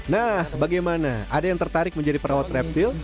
nah bagaimana ada yang tertarik menjadi perawat reptil